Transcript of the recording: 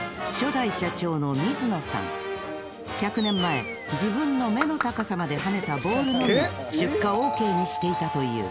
１００年前自分の目の高さまで跳ねたボールのみ出荷ＯＫにしていたという。